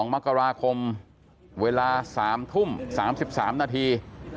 ๒มกราคมเวลา๓ทุ่ม๓๓นาที